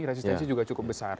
resistensi juga cukup besar